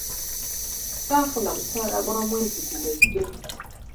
Saafuna musaala gwa mwezi guwedde.